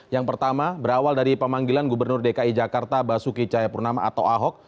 yang pertama berawal dari pemanggilan gubernur dki jakarta basuki cayapurnama atau ahok